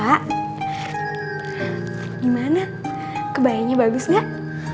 ak gimana kebayanya bagus gak